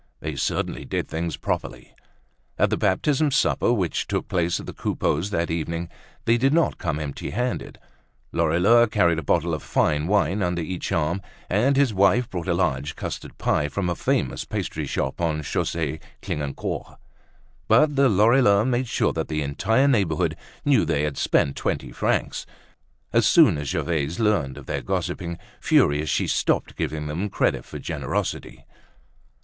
They certainly did things properly! At the baptism supper which took place at the Coupeaus that evening, they did not come empty handed. Lorilleux carried a bottle of fine wine under each arm and his wife brought a large custard pie from a famous pastry shop on Chaussee Clignancourt. But the Lorilleuxs made sure that the entire neighborhood knew they had spent twenty francs. As soon as Gervaise learned of their gossiping, furious, she stopped giving them credit for generosity.